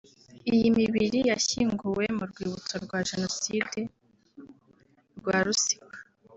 Iyi mibiri yashyinguwe mu rwibutso rwa Jenoside rwa Rusiga